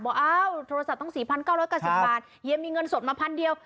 อ้าวโทรศัพท์ต้อง๔๙๙๐บาทเฮียมีเงินสดมาพันเดียว